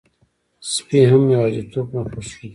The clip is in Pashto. سپي هم یواځيتوب نه خوښوي.